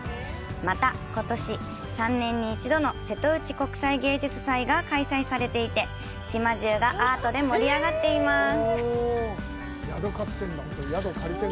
また、ことし３年に一度の瀬戸内国際芸術祭が開催されていて島中がアートで盛り上がっています。